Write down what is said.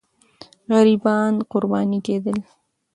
غریبان قرباني کېدل.